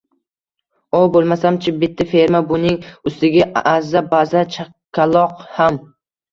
O bo`lmasam-chi, bitta ferma, buning ustiga azza-bazza chakaloq ham